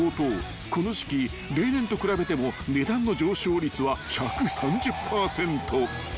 ［この時季例年と比べても値段の上昇率は１３０％］